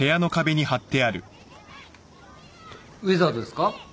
ウィザードですか？